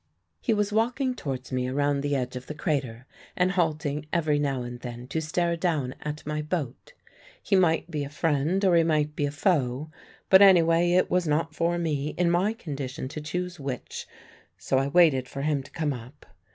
"He was walking towards me around the edge of the crater, and halting every now and then to stare down at my boat. He might be a friend, or he might be a foe; but anyway it was not for me, in my condition, to choose which, so I waited for him to come up.